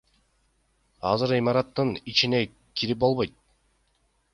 Азыр имараттын ичине кирип болбойт.